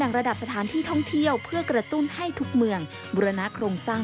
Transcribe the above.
ซึ่งการนี้เป็นกล่องเข้าแล้วต้องใช้๒๒รอบด้วยกัน